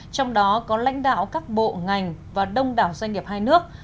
trong đó có lãnh đạo các bộ ngành và đông đảo doanh nghiệp hai nước